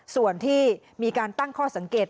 ส่วนที่มีการตั้งข้อสังเกต